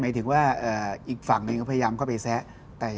ถึงว่าอีกฝั่งหนึ่งก็พยายามเข้าไปแซะ